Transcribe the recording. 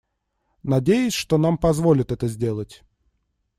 Надеюсь, что нам позволят это сделать.